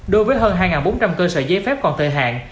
đối với hơn hai bốn trăm linh cơ sở giấy phép còn thời hạn